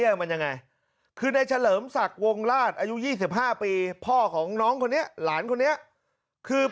เรื่องมันยังไงคือในเฉลิมศักดิ์วงราชอายุ๒๕ปีพ่อของน้องคนนี้หลานคนนี้คือ